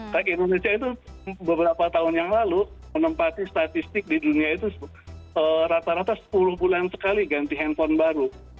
saya indonesia itu beberapa tahun yang lalu menempati statistik di dunia itu rata rata sepuluh bulan sekali ganti handphone baru